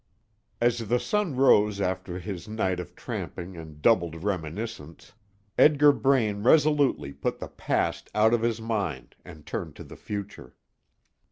VIII. As the sun rose after his night of tramping and troubled reminiscence, Edgar Braine resolutely put the past out of his mind, and turned to the future.